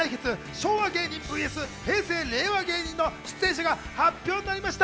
昭和芸人ｖｓ平成・令和芸人』の出演者が発表になりました。